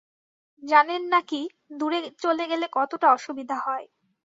জানেন না কি, দূরে চলে গেলে কতটা অসুবিধা হয়।